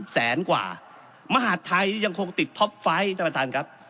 แสนกว่ามหาดไทยยังคงติดท็อปไฟต์ท่านประธานครับ